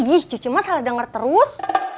ih cucu mah salah denger terus